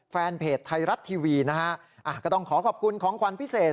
แฟนเพจไทยรัฐทีวีนะฮะก็ต้องขอขอบคุณของขวัญพิเศษ